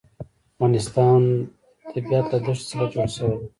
د افغانستان طبیعت له ښتې څخه جوړ شوی دی.